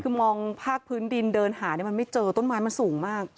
คือมองภาคพื้นดินเดินหามันไม่เจอต้นไม้มันสูงมาก